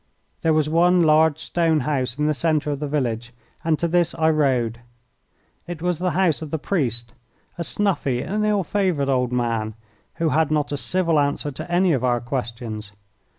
There was one large stone house in the centre of the village, and to this I rode. It was the house of the priest a snuffy and ill favoured old man who had not a civil answer to any of our questions.